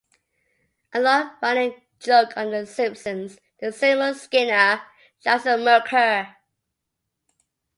A long-running joke on "The Simpsons" is that Seymour Skinner drives a Merkur.